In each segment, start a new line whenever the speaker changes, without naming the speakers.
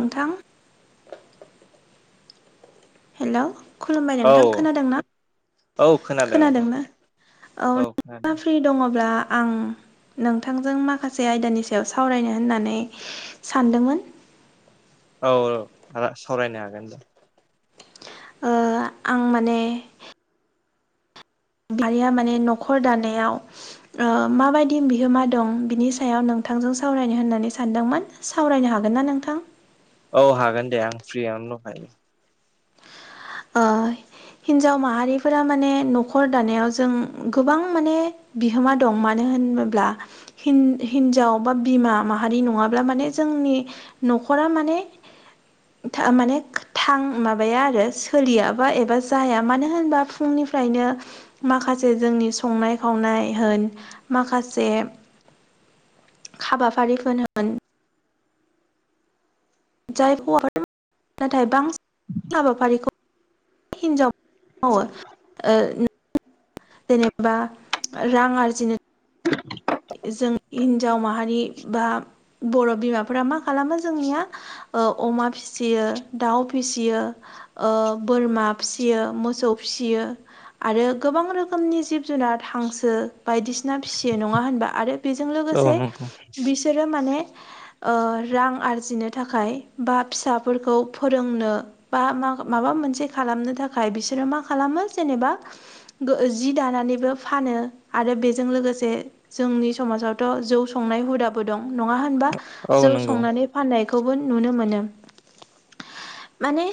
नोंथां हेल' खुलुमबाय
औ
नोंथां खोनादोंना
औ खोनादों नोंथां
खोनादोंना औ नोंथाङा फिरि दङब्ला आं नोंथांजों माखासे आयदानि सायाव सावरायनो होननानै सानदोंमोन
औ औ आ सावरायनो हागोन दे
आं माने आया माने न'खर दानायाव माबायदि बिहोमा दं बिनि सायाव नोंथांजों सावरायनो होननानै सानदोंमोन सावरायनो हागोन ना नोंथां
औ हागोन दे आं फ्रियानो दंखायो
अ हिनजाव माहारिफोरा माने न'खर दानायाव जों गोबां माने बिहोमा दं मानो होनोब्ला हिनजाव बा बिमा माहारि नङाब्ला माने जोंनि न'खरा माने माने थां माबाया आरो सोलियाबा एबा जाया मानो होनबा फुंनिफ्रायनो माखासे जोंनि संनाय खावनाय होन माखासे हाबाफारिफोर होन जाय हौवाफोर नाथाय बांसिन हाबाफारिखौ हिनजाव जेनेबा रां आरजिनो जों हिन्जाव माहारि बा बर' बिमाफोरा मा खालामो जोंनिया अमा फिसियो दाउ फिसियो बोरमा फिसियो मोसौ फिसियो। आरो गोबां रोखोमनि जिब जुनार हांसो बायदिसिना फिसियो नङा होनबा आरो बेजों लोगोसे बिसोरो माने रां आरजिनो थाखाय बा फिसाफोरखौ फोरोंनो बा मा माबा मोनसे खालामनो थाखाय बिसोरो मा खालामो जेनेबा जि दानानैबो फानो आरो बेजों लोगोसे जोंनि समाजावथ' जौ संनाय हुदाबो दं नङा होनबा
औ नंगौ औ
जौ
नंगौ
संनानै फाननायखौबो नुनो मोनो। माने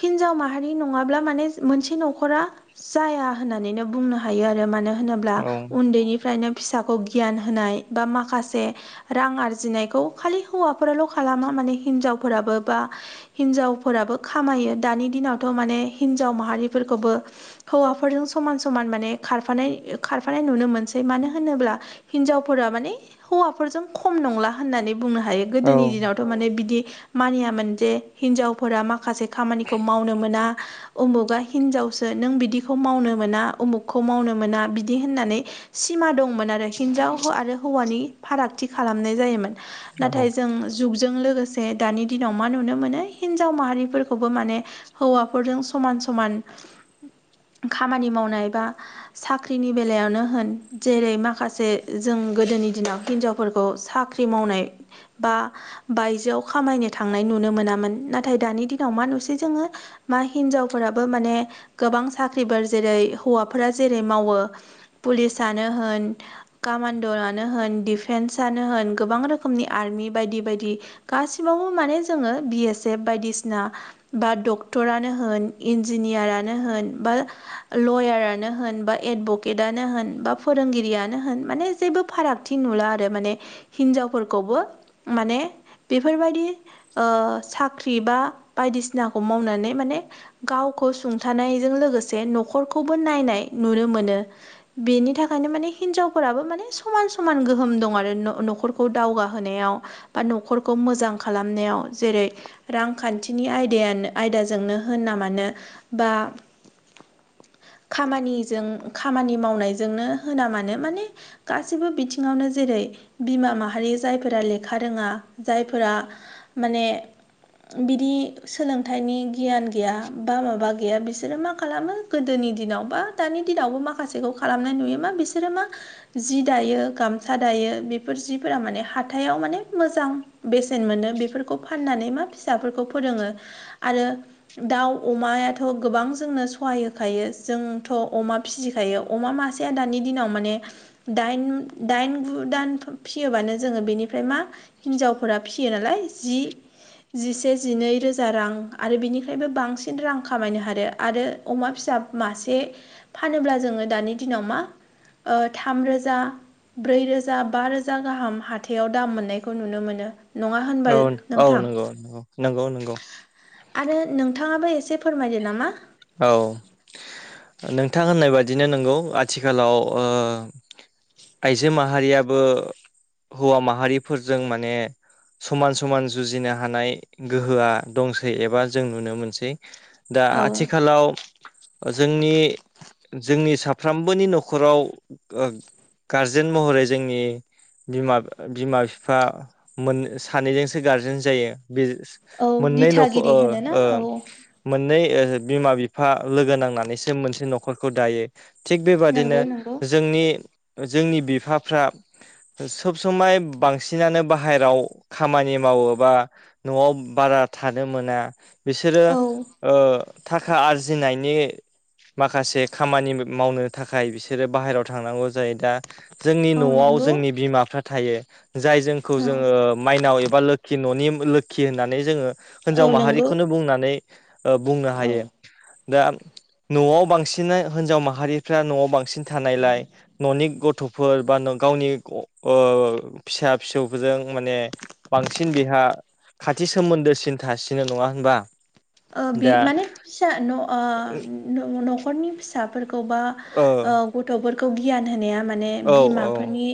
हिन्जाव माहारि नङाब्ला माने मोनसे न'खरा जाया होननानैनो बुंनो हायो आरो मानो होनोब्ला
औ
उन्दैनिफ्रायनो फिसा खौ गियान होनाय बा माखासे रां आरजिनायखौ खालि हौवाफोराल' खालामा माने हिनजावफोराबो बा हिनजावफोराबो खामायो दानि दिनावथ' माने हिनजाव माहारिफोरखौबो हौवाफोरजों समान समान माने खारफानाय खारफानाय नुनो मोनसै मानो होनोब्ला हिनजावफोरा माने हौवाफोरजों खम नंला होननानै बुंनो हायो
औ
गोदोनि
औ
दिनावथ' माने बिदि मानियामोन जे हिनजावफोरा माखासे खामानिखौ मावनो मोना उमुगा हिनजावसो नों बिदिखौ मावनो मोना उमुगखौ मावनो मोना बिदि होननानै सिमा दंमोन आरो। हिनजाव आरो हौवानि फारागथि खालामनाय जायोमोन नाथाय जों जुगजों लोगोसे दानि दिनाव मा नुनो मोनो हिन्जाव माहारिफोरखौबो माने हौवाफोरजों समान समान खामानि मावनाय बा साख्रिनि बेलायावनो होन जेरै माखासे माखासे जों गोदोनि दिनाव हिनजावफोरखौ साख्रि मावनाय बा बायजोआव खामायनो थांनाय नुनो मोनामोन नाथाय दानि दिनाव मा नुसै जोङो मा हिनजावफोराबो माने गोबां साख्रिफोर जेरै हौवाफोरा जेरै मावो। पुलिसानो होन कामान्ड'नो होन डिफेन्सनो होन गोबां रोखोमनि आर्मि बायदि बायदि गासिबावबो माने जोङो बि एस एफ बायदिसिना बा डक्टरानो होन इन्जिनियारानो होन बा लयारानो होन बा एडभकेटनो होन बा फोरोंगिरियानो होन माने जेबो फारागथि नुला आरो माने हिनजावफोरखौबो माने बेफोरबायदि साख्रि बा बायदिसिनाखौ मावनानै माने गावखौ सुंथानायजों लोगोसे न'खरखौबो नायनाय नुनो मोनो। बेनि थाखायनो मानि हिनजावफोराबो माने समान समान गोहोम दं आरो न'खरखौ दावगाहोनायाव बा न'खरखौ मोजां खालामनायाव जेरै रांखान्थिनि आयदायानो आयदाजोंनो होनना मानो बा खामानिजों खामानि मावनायजोंनो होना मानो। माने गासैबो बिथिङावनो जेरै बिमा माहारि जायफोरा लेखा रोङा जायफोरा माने बिदि सोलोंथाइनि गियान गैया बा माबा गैया बिसोरो मा खालामो? गोदोनि दिनाव बा दानि दिनावबो माखासेखौ खालामनाय नुयो मा बिसोरो मा जि दायो गामसा दायो बेफोर जिफोरा माने हाथायाव माने मोजां बेसेन मोनो बेफोरखौ फाननानै मा फिसाफोरखौ फोरोङो आरो दाउ अमायाथ' गोबां जोंनो सहाय होखायो जोंथ' अमा फिसिखायो अमा मासेया दानि दिनाव माने दाइन दाइन गु दान फिसियोबानो जोङो बेनिफ्राय मा हिनजावफोरा फिसियो नालाय जि जिसे जिनै रोजा रां आरो बिनिखफ्रायबो बांसिन रां खामायनो हादों आरो अमा फिसा मासे फानोब्ला जोङो दानि दिनाव मा ओ थामरोजा ब्रैरोजा बा रोजा गाहाम हाथायाव दाम मोन्नायखौ नुनो मोनो। नङा होनबा
औ औ
नोंथां
नंगौ नंगौ नंगौ।
आरो नोंथाङाबो एसे फोरमायदो नामा?
औ नोंथां होननाय बादिनो नंगौ आथिखालाव ओ आइजो माहारियाबो हौवा माहारिफोरजों माने समान समान जुजिनो हानाय गोहोआ दंसै एबा जों नुनो मोनसै दा
औ
आथिखालाव जोंनि जोंनि साफ्रोमबोनि न'खराव गारजेन महरै जोंनि बिमा बिमा बिफा मोन सानैजोंसो गारजेन जायो बे
औ
मोननै न'खो
दिथागिरि
ओ
होनोना
ओं
औ
मोननै बिमा बिफा लोगो नांनानैसो मोनसे न'खरखौ दायो। थिग बेबादिनो
नंगौ नंगौ
जोंनि जोंनि बिफाफ्रा सब समाय बांसिनानो बाहेरायाव खामानि मावोबा न'आव बारा थानो मोना बिसोरो
औ
ओ थाखा आरजिनायनि माखासे खामानि मावनो थाखाय बिसोरो बाहेरायाव थांनांगौ जायो दा जोंनि
औ
न'आव
नंगौ
जोंनि बिमाफ्रा थायो जाय जोंखौ
औ
जोङो माइनाव एबा लो खिन'नि लोखि होननानै जोङो
औ
हिनजाव
नंगौ
माहारिखौनो बुंनानै बुंनो
औ
हायो दा न'आव बांसिन हिनजाव माहारिफ्रा न'आव बांसिन थानायलाय न'नि गथ'फोर बा गावनि फिसा फिसौ फोरजों माने बांसिन बेहा खाथि सोमोन्दोसिन थासिनो नङा होनबा
ओ बे
दा
माने फिसा न'खरनि फिसाफोरखौबा
औ
ओ गथ'फोरखौ गियान होनाया मा माने
औ औ
बिमाफोरनि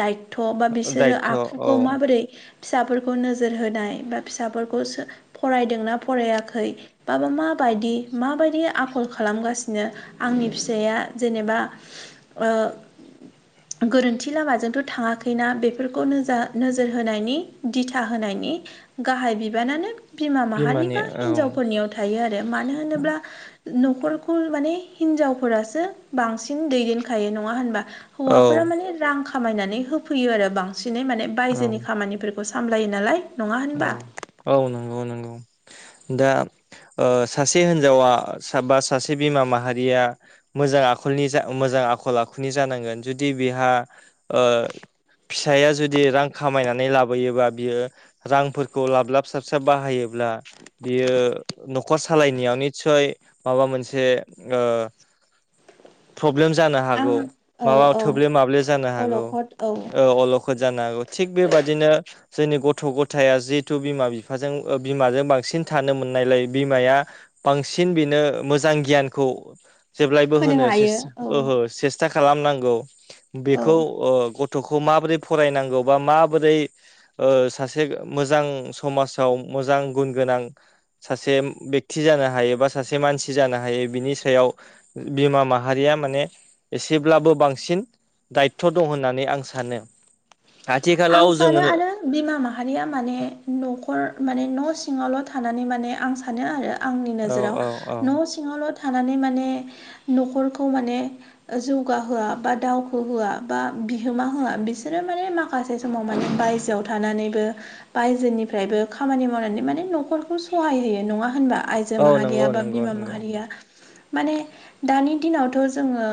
दायथ' बा बिसोरो
दायथ'
आखुखौ
औ
माबोरै फिसाफोरखौ नोजोर होनाय बा फिसाफोरखौ फरायदोंना फरायाखै बाबा माबायदि माबायदि आखल खालामगासिनो आंनि फिसाया जेनेबा ओ गोरोन्थि लामाजोंथ' थाङाखैना बेफोरखौ नोजा नोजोर होनायनि दिथा होनायनि गाहाय बिबानानो बिमा माहारि
बिमानि
बा
औ
हिनजावफोरनियाव थायो आरो मानो होनोब्ला न'खरखौ माने हिनजावफोरासो बांसिन दैदेनखायो नङा होनबा
औ
हौवाफोरा माने रां खामायनानै होफैयो आरो बांसिनै माने
औ
बायजोनि खामानिफोर खौ सामलायो नालाय नङा होनबा
औ औ नंगौ नंगौ दा सासे हिनजावा बा सासे बिमा माहारिया मोजां आखलनि जा मोजां आखल आखुनि जानांगोन जुदि बेहा ओ फिसाया जुदि रां खामायनानै लाबोयोबा बियो रांफोरखौ लाब लाब स्राबस्राब बाहायोब्ला बियो न'खर सालायनायाव निस्सय माबा मोनसे
[inaudible]
प्रब्लेम जानो
आं
हागौ
औ
माबा
औ
थोब्ले माब्ले जानो हागौ
अलखद औ
अल खद जानो हागौ थिग बेबायदिनो जोंनि गथ' गथ' थाया जिहेथु बिमा बिफाजों बिमाजों बांसिन थानो मोननायलाय बिमाया बांसिन बिनो मोजां गियानखौ जेब्लायबो होनो
हायो औ
ओहो सेस्था खालामनांगौ
औ
बेखौ गथ'खौ माबोरै फरायनांगौ बा माबोरै सासे से मोजां समाजाव मोजां गुन गोनां सासे बेक्ति जानो हायो बा सासे मानसि जानो हायो बिनि सायाव बिमा माहारिया माने एसेब्लाबो बांसिन दायथ' दं होननानै आं सानो
आं
आथिखालाव
सानो
जोङो
आरो बिमा माहारिया माने न'खर माने न' सिङावल' थानानै माने आं सानो आरो आंनि
औ
नोजोराव
औ औ
न' सि सिङावल' थानानै माने न'खरखौ माने जौगा होआ बा दावखो होआ बा बिहोमा होआ बिसोरो माने मा खासे समाव माने बायजोआव थानानैबो बायजोनिफ्रायबो खामानि मावनानै माने न'खरखौ सहाय होयो नङा होनबा आय जो
औ
माहारिया
नंगौ
बा
नंगौ
बिमा
नंगौ
माहारिया माने दानि दिनावथ' जोङो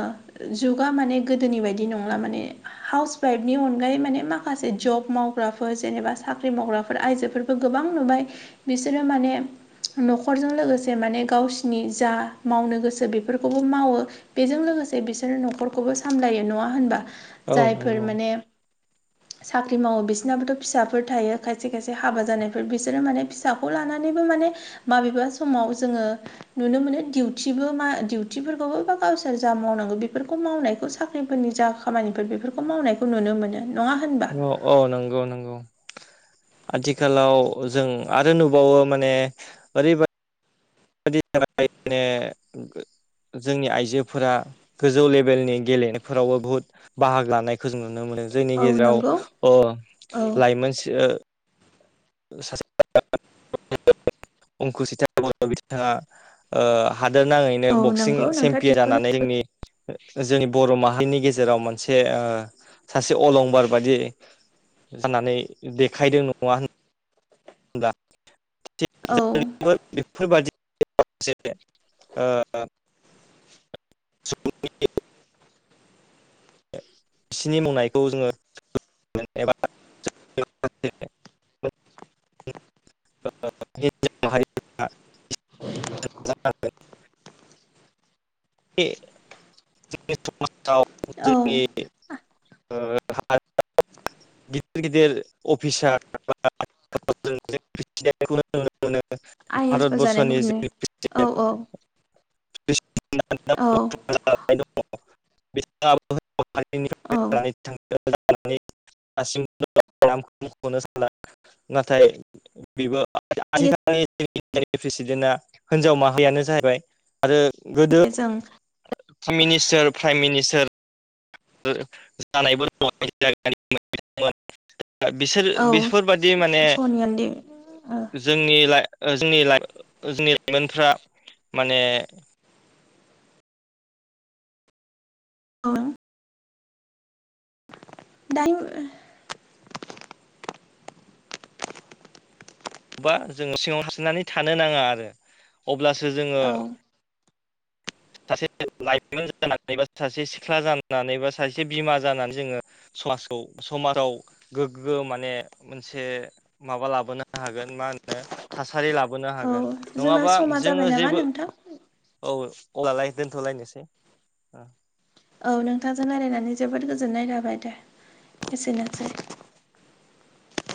जुगा माने गोदोनि बायदि नंला माने हाउस वाइफनि अनगायै माने माखासे जब मावग्राफोर जेनेबा साख्रि मावग्राफोर आइजोफोरबो गोबां नुबाय बिसोरो माने न'खरजों लोगोसे माने गावसिनि जा मावनो गोसो बेफोरखौबो मावो बेजों लोगोसे बिसोरो न'खरखौबो सामलायो नङा होनबा
औ
जायफोर
नंगौ
माने साख्रि मावो बिसोरनाबोथ' फिसाफोर थायो खायसे खायसे हाबा जानायफोर बिसोरो माने फिसाखौ लानानैबो माने माबेबा समाव जोङो नुनो मोनो दिउटिबो मा दिउटिफोरखौबो बा गावसोर जा मावनांगौ बेफोरखौ मावनायखौ साख्रि फोरनि जा खामानिफोर बेफोरखौ मावनायखौ नुनो मोनो नङा होन
औ नंगौ नंगौ आथिखालाव जों आरो नुबावो माने ओरैबा [unintelligible] जोंनि आइजोफोरा गोजौ लेभेलनि गेलेनायफोरावबो बुहुत बाहागो लानायखौ जों नुनो मोनो जोंनि
औ
गेजेराव
नंगौ औ
लाइमोन सासे [unintelligible] अंकुसिता बर' बिथाङा हादोर नाङैनो
औ
बक्सिं
नंगौ नोंथाङा
चेम्पियन
थिगखौनो
जानानै जोंनि जोंनि बर' माहारिनि गेजेराव मोनसे सासे अलंबार बायदि जानानै देखायदों नङा होन
औ
बेफोरबादि माखासे बिसिनि मावनायखौ जोङो [unintelligible] एबा [unintelligible] [unintelligible] हिनजाव माहारिफोर [unintelligible] जों समाजाव
औ
जोंनि हारियाव गिदिर गिदिर अफिसार एबा [unintelligible] खौ नुनो मोनो
आइ एस फोर
भारतबर्सनि
जानायफोरनो
[unintelligible]
औ औ
[unintelligible]
औ
जालांनाय दङ बिथाङाबो बै
औ
[unintelligible] दासिनो सान नाथाय बेबो आजिखानि प्रेसिडेन्टआ हिनजाव माहारियानो जाहैबाय आरो गोदो
जों
मिनिस्टार प्राइम मिनिस्टार जानायबो दङ। बिसोर
औ
बेफोरबादि माने
सनियान्दि
जोंनि जों जोंनि लाइमोनफ्रा माने
अ दाइमर
बबा जोङो सिङाव सिनानै थानो नाङा आरो अब्लासो जोङो।
औ
सासे लाइमोन जानानै बा सासे सिख्ला जानानै बा सासे बिमा जानानै जोङो। समाजखौ समाजाव गोग्गो माने मोनसे माबा लाबोनो हागोन मा होन थासारि लाबोनो
औ
हागोन
जोंना
नङाबा
समा जाबाय
जोङो
नामा
जेबो
नोंथां औ
औ अब्लालाय दोनथ'लायनोसै
औ नोंथांजों राय्लायनानै जोबोद गोजोननाय थाबाय दे एसेनोसै